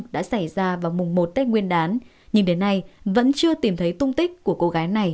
đã xảy ra vào mùng một tết nguyên đán nhưng đến nay vẫn chưa tìm thấy tung tích của cô gái này